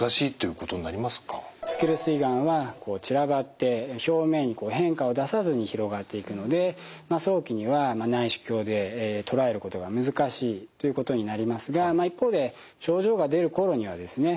スキルス胃がんは散らばって表面に変化を出さずに広がっていくので早期には内視鏡で捉えることが難しいということになりますが一方で症状が出る頃にはですね